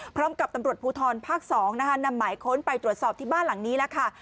พร้อมกับตำรวจภูทรภาค๒นะคะนำหมายค้นไปตรวจสอบที่บ้านหลังนี้แล้วค่ะ